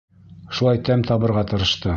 Шулай тәм табырға тырышты.